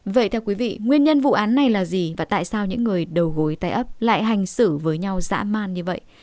vậy theo quý vị nguyên nhân vụ án này là gì và tại sao những người đầu gối tay ấp lại hành xử với nhau dã man như vậy